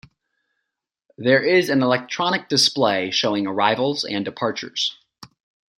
There is an electronic display showing arrivals and departures.